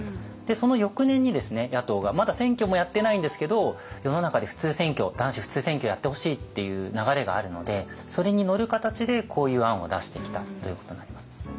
その翌年に野党がまだ選挙もやってないんですけど世の中で男子普通選挙やってほしいっていう流れがあるのでそれに乗る形でこういう案を出してきたということになります。